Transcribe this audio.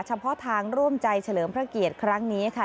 เฉพาะทางร่วมใจเฉลิมพระเกียรติครั้งนี้ค่ะ